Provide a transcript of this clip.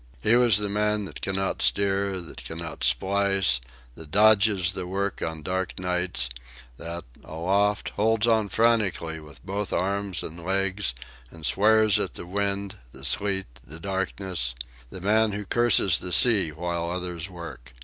He was the man that cannot steer, that cannot splice, that dodges the work on dark nights; that, aloft, holds on frantically with both arms and legs, and swears at the wind, the sleet, the darkness; the man who curses the sea while others work.